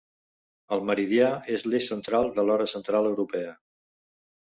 El meridià és l'eix central de l'Hora Central Europea.